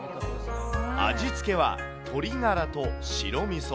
味付けは鶏ガラと白みそ。